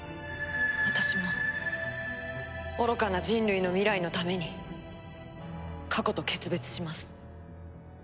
私も愚かな人類の未来のために過去と決別します。